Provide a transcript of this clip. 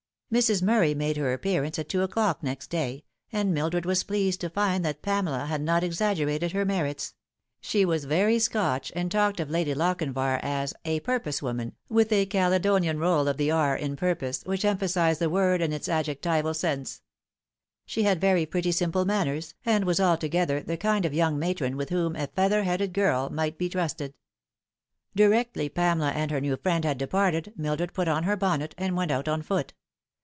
Mrs. Murray made her appearance at two o'clock next day, and Mildred was pleased to find that Pamela had not exagger ated her merits. She was very Scotch, and talked of Lady Lochinvar as "a purpose woman," with a Caledonian roll of the r in purpose which emphasised the word in its adjectival sense. She had very pretty simple manners, and was altogether the kind of young matron with whom a feather headed girl might be trusted. Directly Pamela and her new friend had departed Mildred put on her bonnet, and went out on foot.